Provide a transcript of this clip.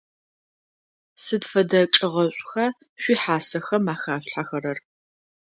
Сыд фэдэ чӏыгъэшӏуха шъуихьасэхэм ахашъулъхьэхэрэр?